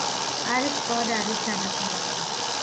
კარი ბრტყლად არის გადახურული.